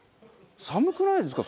寒くないですか？